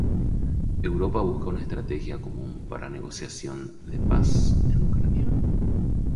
Europa busca una estrategia común para la negociación de paz en Ucrania